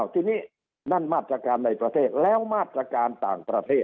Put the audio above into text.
ทีนี้นั่นมาตรการในประเทศแล้วมาตรการต่างประเทศ